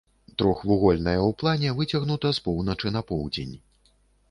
Трохвугольная ў плане, выцягнута з поўначы на поўдзень.